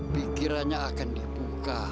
pikirannya akan dibuka